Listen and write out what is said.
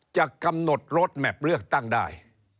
จะกำหนดรถแมพเลือกตั้งได้